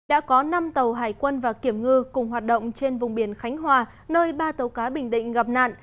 đã có năm tàu hải quân và kiểm ngư cùng hoạt động trên vùng biển khánh hòa nơi ba tàu cá bình định gặp nạn